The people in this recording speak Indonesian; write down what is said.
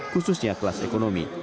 khususnya kelas ekonomi